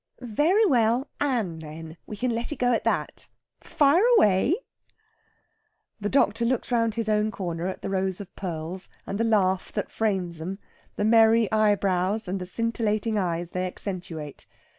"Very well, Anne, then! We can let it go at that. Fire away!" The doctor looks round his own corner at the rows of pearls and the laugh that frames them, the merry eyebrows and the scintillating eyes they accentuate.